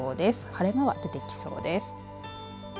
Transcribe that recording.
晴れ間が出てきそうです。